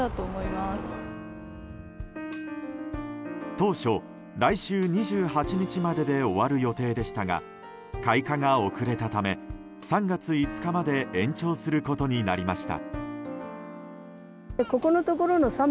当初、来週２８日までで終わる予定でしたが開花が遅れたため、３月５日まで延長することになりました。